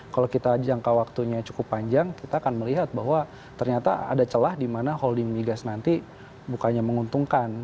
kalau kita jangka waktunya cukup panjang kita akan melihat bahwa ternyata ada celah di mana holding migas nanti bukannya menguntungkan